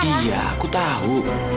iya aku tau